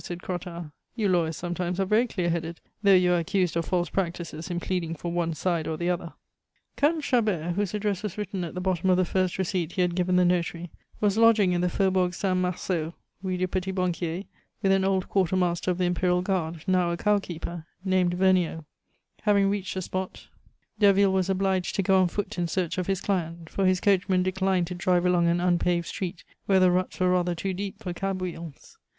said Crottat. "You lawyers sometimes are very clear headed, though you are accused of false practices in pleading for one side or the other." Colonel Chabert, whose address was written at the bottom of the first receipt he had given the notary, was lodging in the Faubourg Saint Marceau, Rue du Petit Banquier, with an old quartermaster of the Imperial Guard, now a cowkeeper, named Vergniaud. Having reached the spot, Derville was obliged to go on foot in search of his client, for his coachman declined to drive along an unpaved street, where the ruts were rather too deep for cab wheels.